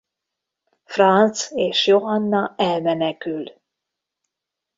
Franz és Johanna elmenekül.